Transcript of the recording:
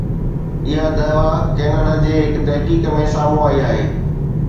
اها دعويٰ ڪينيڊا جي هڪ تحقيق ۾ سامهون آئي آهي